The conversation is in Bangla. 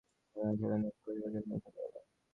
ফলদানিটা ঠেলে দিয়ে চলে যাবার জন্যে উঠে দাঁড়াল।